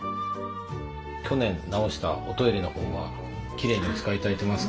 去年直したおトイレのほうはきれいにお使いいただいてますか？